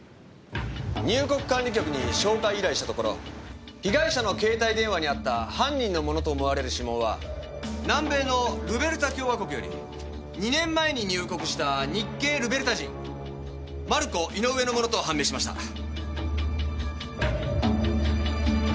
入国管理局に照会依頼したところ被害者の携帯電話にあった犯人のものと思われる指紋は南米のルベルタ共和国より２年前に入国した日系ルベルタ人マルコ・イノウエのものと判明しました。